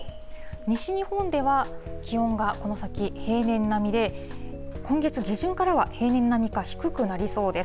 西日本では気温がこの先平年並みで、今月下旬からは平年並みか低くなりそうです。